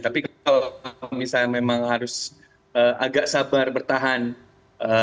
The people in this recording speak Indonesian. tapi kalau misalnya memang harus agak sabar bertahan dan juga menyerang